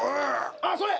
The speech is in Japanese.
あっそれ！